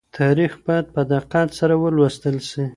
تاريخ بايد په دقت سره ولوستل سي.